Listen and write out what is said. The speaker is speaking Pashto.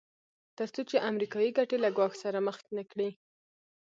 تر څو چې امریکایي ګټې له ګواښ سره مخ نه کړي.